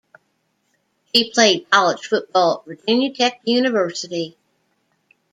He played college football at Virginia Tech University.